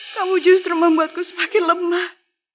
kamu justru membuatku semakin lemah